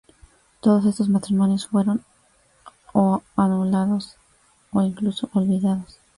Todos estos matrimonios fueron o anulados o incluso olvidados.